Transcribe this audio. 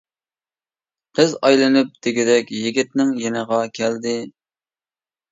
قىز ئايلىنىپ دېگۈدەك يىگىتنىڭ يېنىغا كەلدى.